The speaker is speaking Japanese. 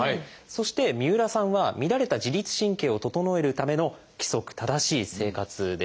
そして三浦さんは乱れた自律神経を整えるための「規則正しい生活」でした。